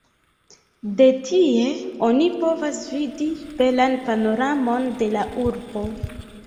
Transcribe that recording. De tie oni povas vidi belan panoramon de la urbo.